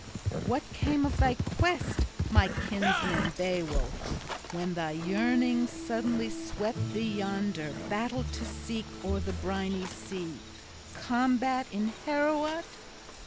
"What came of thy quest, my kinsman Beowulf, when thy yearnings suddenly swept thee yonder battle to seek o'er the briny sea, combat in Heorot?